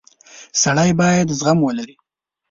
• سړی باید زغم ولري.